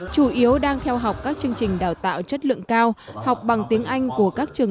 chủ yếu đang theo học các chương trình đào tạo chất lượng cao học bằng tiếng anh của các trường